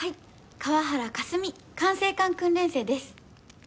河原かすみ管制官訓練生です。